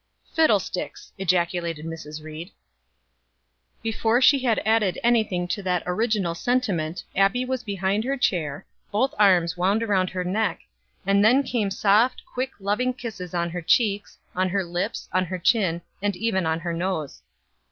"Fiddlesticks!" ejaculated Mrs. Ried. Before she had added anything to that original sentiment Abbie was behind her chair, both arms wound around her neck, and then came soft, quick, loving kisses on her cheeks, on her lips, on her chin, and even on her nose.